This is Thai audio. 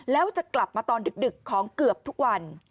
แล้วจะกลับมาตอนดึกของเกือบทุกวัน